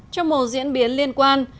trong mùa diễn biến liên quan